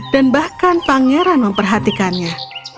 dan bahkan pangeran memperhatikannya